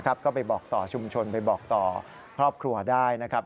ก็ไปบอกต่อชุมชนไปบอกต่อครอบครัวได้นะครับ